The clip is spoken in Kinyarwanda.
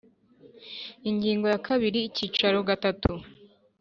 Ingingo ya kabiri Icyicaro gatatu